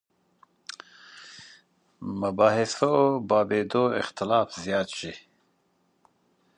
مباحثو بابېدو اختلاف زیات شي.